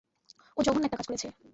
ও জঘন্য একটা কাজ করেছে।